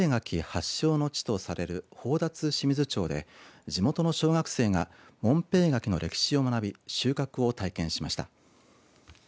発祥の地とされる宝達志水町で地元の小学生が紋平柿の歴史を学び収穫を体験しました。